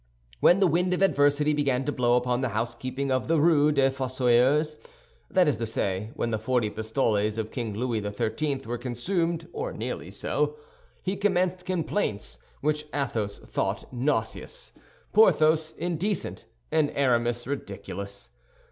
When the wind of adversity began to blow upon the housekeeping of the Rue des Fossoyeurs—that is to say, when the forty pistoles of King Louis XIII. were consumed or nearly so—he commenced complaints which Athos thought nauseous, Porthos indecent, and Aramis ridiculous.